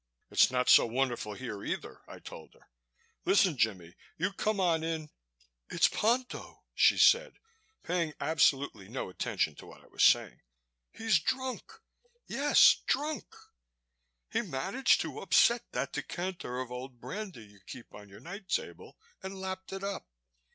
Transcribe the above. "It's not so wonderful here either," I told her. "Listen, Jimmie, you come on in " "It's Ponto," she said, paying absolutely no attention to what I was saying. "He's drunk yes, drunk! He managed to upset that decanter of old brandy you keep on your night table and lapped it up.